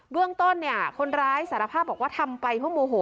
เรื่องต้นเนี่ยคนร้ายสารภาพบอกว่าทำไปเพราะโมโห